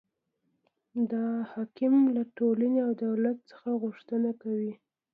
دا حکم له ټولنې او دولت څخه غوښتنه کوي.